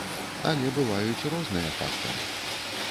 Але бываюць розныя фактары.